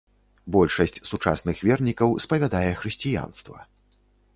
Большасць сучасных вернікаў спавядае хрысціянства.